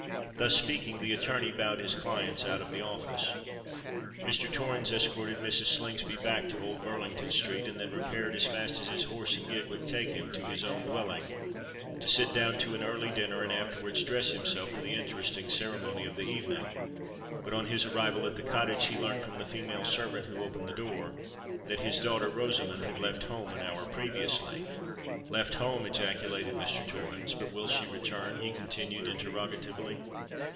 Thus speaking, the attorney bowed his clients out of the office. Mr. Torrens escorted Mrs. Slingsby back to Old Burlington Street, and then repaired as fast as his horse and gig would take him to his own dwelling, to sit down to an early dinner, and afterwards dress himself for the interesting ceremony of the evening. But on his arrival at the Cottage, he learnt from the female servant who opened the door, that his daughter Rosamond had left home an hour previously. "Left home!" ejaculated Mr. Torrens. "But she will return?" he continued interrogatively.